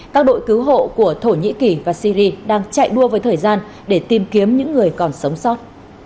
các đội cứu hộ của thổ nhĩ kỳ và syri đang chạy đua với thời gian để tìm kiếm những người còn sống sót